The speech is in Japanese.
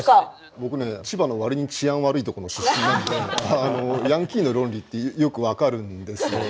僕ね千葉の割に治安悪いとこの出身なんであのヤンキーの論理ってよく分かるんですよね。